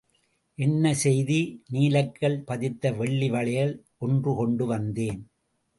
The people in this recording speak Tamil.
என்ன செய்தி? நீலக்கல் பதித்த வெள்ளி வளையல் ஒன்று கொண்டு வந்தேன்.